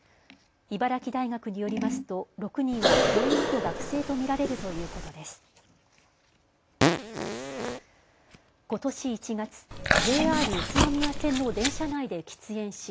茨城大学によりますと６人は教員と学生と見られるということです。